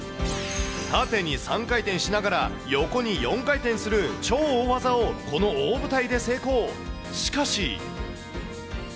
縦に３回転しながら、横に４回転する超大技をこの大舞台で成功。